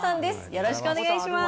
よろしくお願いします。